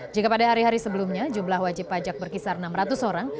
jika pada hari hari sebelumnya jumlah wajib pajak berkisar enam ratus orang